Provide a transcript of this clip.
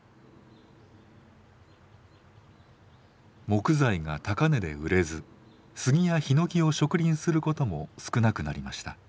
木材が高値で売れずスギやヒノキを植林することも少なくなりました。